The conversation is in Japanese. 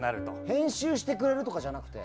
編集してくれるとかじゃなくて。